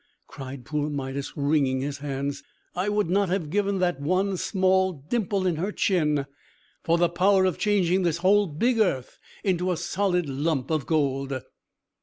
cried poor Midas, wringing his hands. "I would not have given that one small dimple in her chin for the power of changing this whole big earth into a solid lump of gold!"